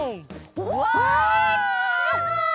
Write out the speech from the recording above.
うわすごい！